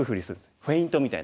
フェイントみたいな。